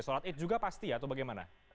sholat id juga pasti atau bagaimana